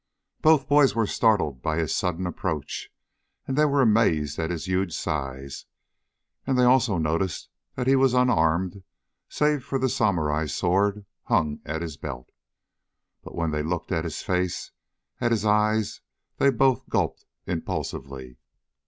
Both boys were startled by his sudden approach, they were amazed by his huge size, and they also noticed that he was unarmed save for the samurai sword hung at his belt. But when they looked at his face, at his eyes, they both gulped impulsively.